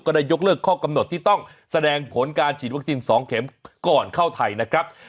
ได้ยกเลิกข้อกำหนดที่ต้องแสดงผลการฉีดวัคซีน๒เข็มก่อนเข้าไทยนะครับ